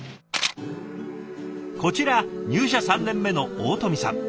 こちら入社３年目の大富さん。